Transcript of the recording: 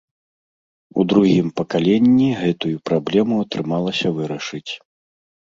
У другім пакаленні гэтую праблему атрымалася вырашыць.